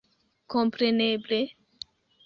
Kompreneble...